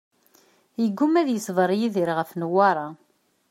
Yeggumma ad yeṣber Yidir ɣef Newwara.